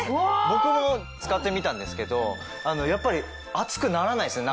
僕も使ってみたんですけどやっぱり。